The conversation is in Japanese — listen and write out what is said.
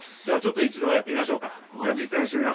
じゃあちょっと一度やってみましょうか。